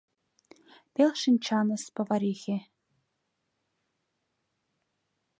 Пел шинчаныс поварихе